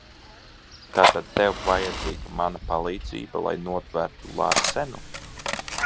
Tātad tev vajadzīga mana palīdzība, lai notvertu Larsenu?